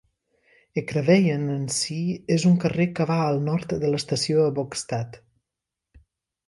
Ekraveien en si és un carrer que va al nord de l'estació a Bogstad.